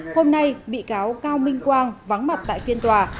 hôm nay bị cáo cao minh quang vắng mặt tại phiên tòa